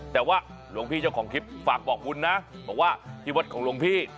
แต่ว่าหลวงพี่เจ้าของคลิปฝากบอกบุญนะบอกว่าที่วัดของหลวงพี่